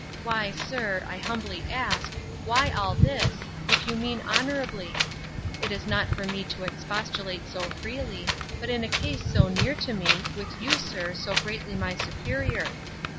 Why, sir, I humbly ask, why all this, if you mean honourably?—It is not for me to expostulate so freely, but in a case so near to me, with you, sir, so greatly my superior.